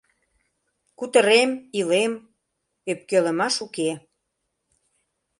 Кутырем, илем, ӧпкелымаш уке.